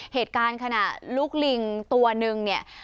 เหตุการณ์ขณะลูกลิงตัวนึงเนี่ย